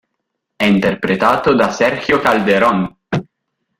È interpretato da Sergio Calderón.